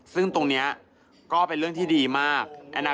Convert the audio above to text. ซึ่งตรงนี้ก็เป็นเรื่องที่ดีมาก